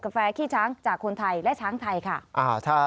แฟขี้ช้างจากคนไทยและช้างไทยค่ะ